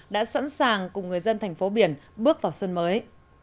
đã sẵn sàng cùng người dân thành phố biển bước vào xuân mới